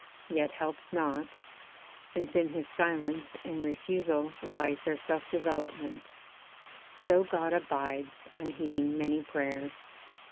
yet helps not, Since in his silence and refusal lies Their self development, so God abides Unheeding many prayers.